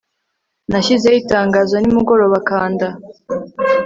nashyizeho itangazo. nimugoroba kanda